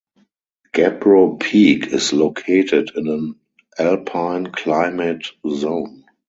Gabbro Peak is located in an alpine climate zone.